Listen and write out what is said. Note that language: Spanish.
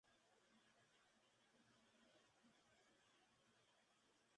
Malformación que a veces suele ir acompañada del labio hendido.